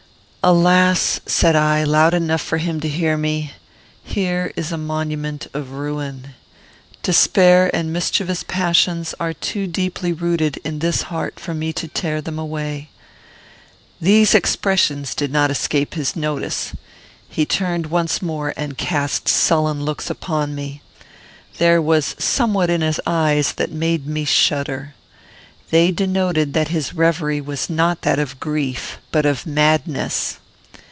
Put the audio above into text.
"Alas!" said I, loud enough for him to hear me, "here is a monument of ruin. Despair and mischievous passions are too deeply rooted in this heart for me to tear them away." These expressions did not escape his notice. He turned once more and cast sullen looks upon me. There was somewhat in his eyes that made me shudder. They denoted that his reverie was not that of grief, but of madness.